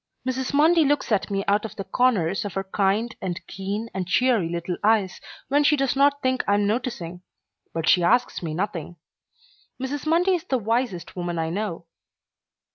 Mrs. Mundy looks at me out of the corners of her kind and keen and cheery little eyes when she does not think I am noticing, but she asks me nothing. Mrs. Mundy is the wisest woman I know.